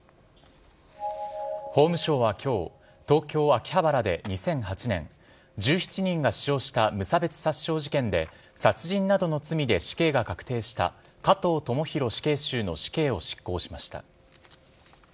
法務省はきょう、東京・秋葉原で２００８年、１７人が死傷した無差別殺傷事件で殺人などの罪で死刑が確定した、加藤智大死刑囚の死刑を執行しました。